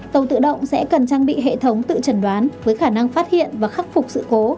tàu tự động sẽ cần trang bị hệ thống tự trần đoán với khả năng phát hiện và khắc phục sự cố